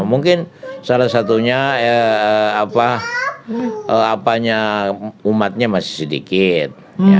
mungkin salah satunya umatnya masih sedikit